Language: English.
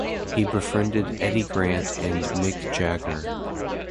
He befriended Eddy Grant and Mick Jagger.